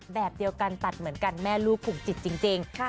แบบเดียวกันตัดเหมือนกันแม่ลูกผูกจิตจริง